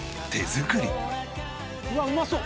うわっうまそう！